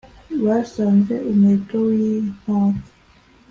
Basanze umuheto w’ Inkaka